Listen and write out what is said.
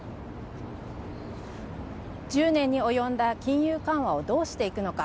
１０年に及んだ金融緩和をどうしていくのか。